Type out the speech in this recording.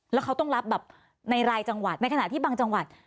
แล้วเขาต้องรับแบบในรายจังหวัดในขณะที่บางจังหวัด